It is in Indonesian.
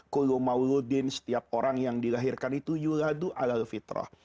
kulomaludin setiap orang yang dilahirkan itu yuladu alal fitrah